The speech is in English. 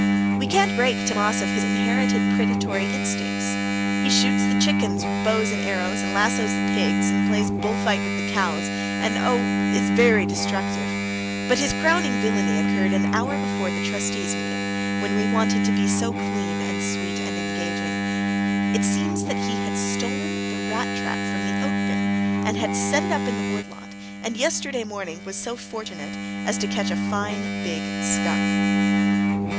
We can't break Tammas of his inherited predatory instincts. He shoots the chickens with bows and arrows and lassoes the pigs and plays bull fight with the cows and oh, is very destructive! But his crowning villainy occurred an hour before the trustees' meeting, when we wanted to be so clean and sweet and engaging. It seems that he had stolen the rat trap from the oat bin, and had set it up in the wood lot, and yesterday morning was so fortunate as to catch a fine big skunk.